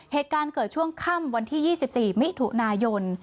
เหตุการณ์เกิดช่วงค่ำวันที่๒๔มิถุนายน